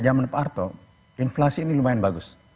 zaman pak arto inflasi ini lumayan bagus